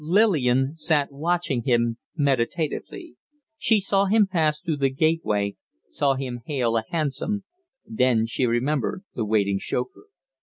Lillian sat watching him meditatively. She saw him pass through the gateway, saw him hail a hansom, then she remembered the waiting chauffeur.